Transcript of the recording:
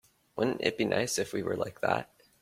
Wouldn't it be nice if we were like that?